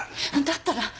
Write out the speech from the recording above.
だったら。